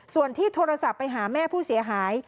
ส่วนที่โทรศัพท์ไปหาแม่ผู้เสียหาย